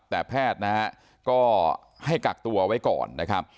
แต่แพทย์นะฮะก็ให้กักตัวไว้ก่อนนะครับ